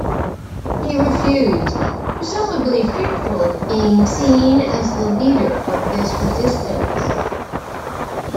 He refused, presumably fearful of being seen as the leader of this resistance.